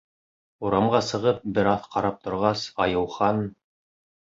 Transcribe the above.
Урамға сығып, бер аҙ ҡарап торғас, Айыухан: